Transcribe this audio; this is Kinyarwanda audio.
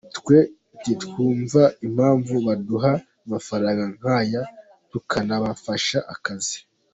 Twe ntitwumva impamvu baduca amafaranga nk’aya tukanabafasha akazi.